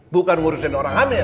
bukan ngurusin orang hamil